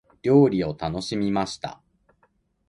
料理を楽しみました。